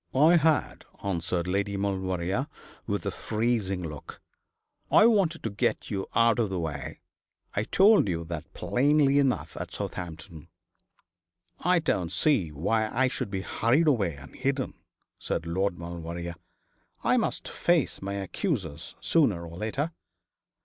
'I had,' answered Lady Maulevrier, with a freezing look. 'I wanted to get you out of the way. I told you that plainly enough at Southampton.' 'I don't see why I should be hurried away and hidden,' said Lord Maulevrier. 'I must face my accusers, sooner or later.'